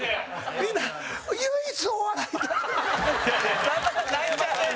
みんな、唯一、お笑いだけの。